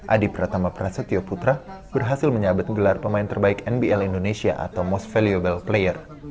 adi pratama prasetyo putra berhasil menyabet gelar pemain terbaik nbl indonesia atau most valuable player